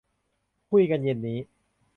คุยกันเย็นนี้